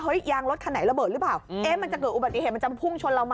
ยางรถคันไหนระเบิดหรือเปล่าเอ๊ะมันจะเกิดอุบัติเหตุมันจะพุ่งชนเราไหม